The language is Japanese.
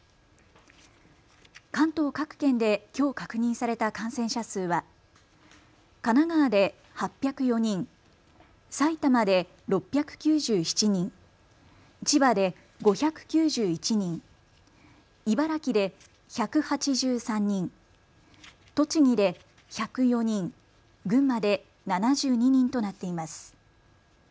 関東各県できょう確認された感染者数は神奈川で８０４人、埼玉で６９７人、千葉で５９１人、茨城で１８３人、栃木で１０４人、群馬で７２人となっています。